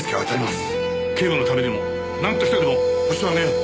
警部のためにもなんとしてでもホシを挙げよう！